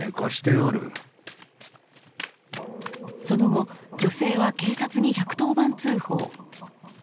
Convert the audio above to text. その後女性は警察に１１０番通報。